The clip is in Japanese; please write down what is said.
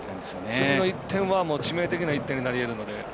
次の１点は致命的な１点になりえるので。